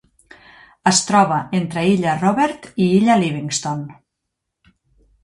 Es troba entre illa Robert i illa Livingston.